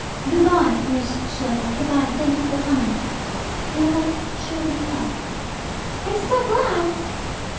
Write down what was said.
"Good bye, Miss Schlegel, good bye. Thank you for coming. You have cheered me up." "I'm so glad!"